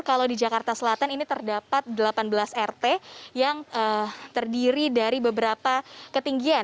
kalau di jakarta selatan ini terdapat delapan belas rt yang terdiri dari beberapa ketinggian